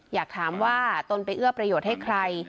อยากถามว่าตนไปเอื้อประโยชน์ให้ใคร